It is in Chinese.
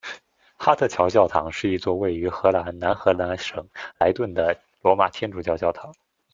哈特桥教堂是一座位于荷兰南荷兰省莱顿的罗马天主教教堂。